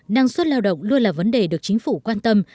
năng suất lao động luôn là vấn đề được chính phủ quan tâm